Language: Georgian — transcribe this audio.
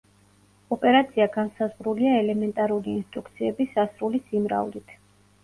ოპერაცია განსაზღვრულია ელემენტარული ინსტრუქციების სასრული სიმრავლით.